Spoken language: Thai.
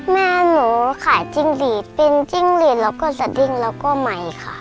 แม่หนูขายจิ้งหลีดติ้งจิ้งหลีดแล้วก็สดิ้งแล้วก็ใหม่ค่ะ